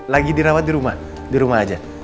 lagi dirawat di rumah di rumah aja